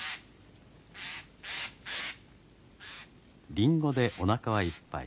リンゴでおなかはいっぱい。